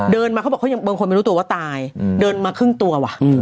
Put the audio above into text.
เดินมาเขาบอกเขายังบางคนไม่รู้ตัวว่าตายเดินมาครึ่งตัวว่ะ